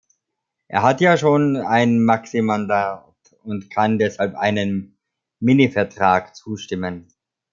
Er hat ja schon ein "Maximandat" und kann deshalb einem Minivertrag zustimmen.